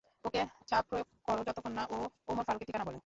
ওকে চাপ প্রয়োগ করো যতক্ষণ না ও ওমর ফারুকের ঠিকানা বলে।